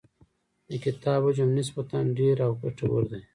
د کتاب حجم نسبتاً ډېر او ګټور دی.